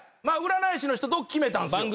占い師の人と決めたんすよ。